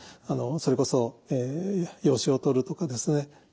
それこそ養子を取るとかですね